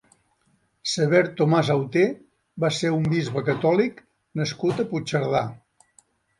Sever Tomàs Auter va ser un bisbe catòlic nascut a Puigcerdà.